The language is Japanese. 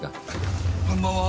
こんばんは。